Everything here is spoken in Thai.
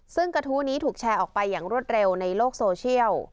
ซึ่งกระทู้นี้ถูกแชร์ออกไปอย่างรวดเร็วในโลกโซเชียล